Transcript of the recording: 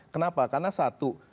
kenapa karena satu